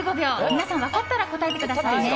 皆さん分かったら答えてくださいね。